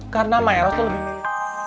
karena ma eros itu lebih